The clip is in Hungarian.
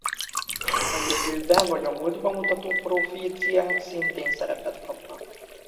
A jövőbe vagy múltba mutató próféciák szintén szerepet kapnak.